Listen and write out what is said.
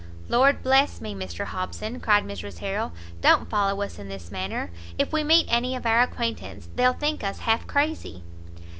"Lord bless me, Mr Hobson," cried Mrs Harrel, "don't follow us in this manner! If we meet any of our acquaintance they'll think us half crazy."